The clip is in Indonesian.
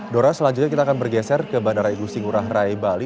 dora selanjutnya kita akan bergeser ke bandara igusti ngurah rai bali